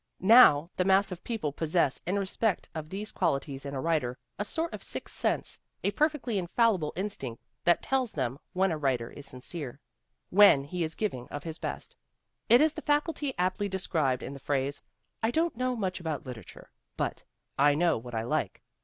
Now, the mass of people possess, in respect of these "qualities in a writer, a sort of sixth sense, a perfectly infallible instinct that tells them when a writer is sincere, when he is giving io6 THE WOMEN WHO MAKE OUR NOVELS of his best. It is the faculty aptly described in the phrase: "I don't know much about literature, but I know what I like!'